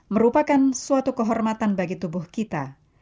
merupakan suatu kehormatan bagi tubuh kita